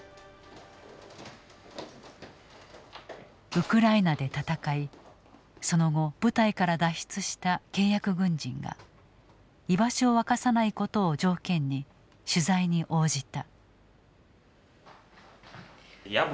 ウクライナで戦いその後部隊から脱出した契約軍人が居場所を明かさないことを条件に取材に応じた。